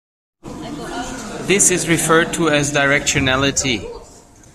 This is referred to as directionality.